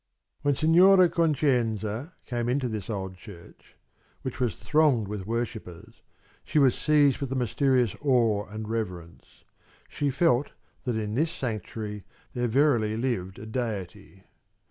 When Signora Concenza came into this old church, which was thronged with worshippers, she was seized with a mysterious awe and reverence. She felt that in this sanctuary there verily lived a Deity.